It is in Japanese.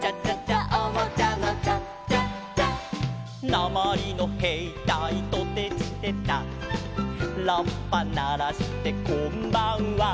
「なまりのへいたいトテチテタ」「ラッパならしてこんばんは」